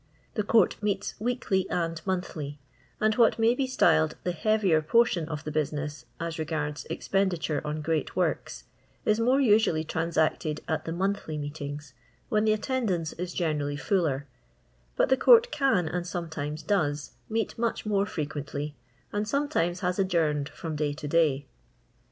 The Court meets weekly and monthly, and what may be styled the heavier portion of the busi ness, as regards expenditure on great works, is more usually transacted at the monthly meetings, when the attendance is pennrally fuller; but the Court can, and sometimes docs, meet much more fre quently, and sometimes has adjourned from day to day.